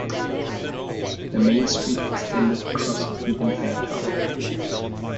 The Main Street extended across the entire town.